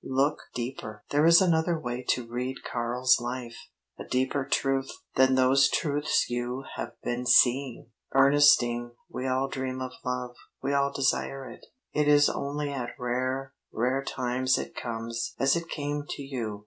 "Look deeper. There is another way to read Karl's life a deeper truth than those truths you have been seeing. "Ernestine, we all dream of love; we all desire it. It is only at rare, rare times it comes as it came to you.